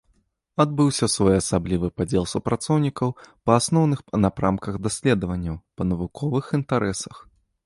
Адбыўся своеасаблівы падзел супрацоўнікаў па асноўных напрамках даследаванняў, па навуковых інтарэсах.